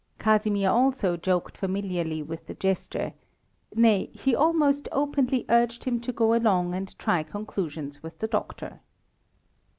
Casimir also joked familiarly with the jester nay, he almost openly urged him to go along and try conclusions with the doctor.